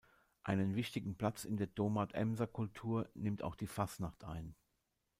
Einen wichtigen Platz in der Domat-Emser Kultur nimmt auch die Fasnacht ein.